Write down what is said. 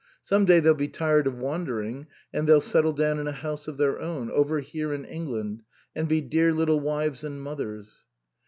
Some day they'll be tired of wandering, and they'll settle down in a house of their own, over here in England, and be dear little wives and mothers."